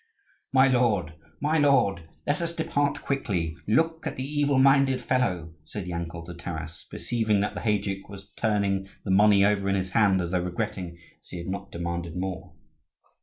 "My lord, my lord, let us depart quickly! Look at the evil minded fellow!" said Yankel to Taras, perceiving that the heyduke was turning the money over in his hand as though regretting that he had not demanded more.